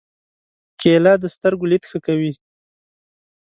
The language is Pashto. کېله د سترګو لید ښه کوي.